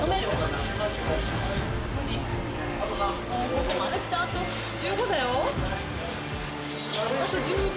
ここまで来てあと１５だよ。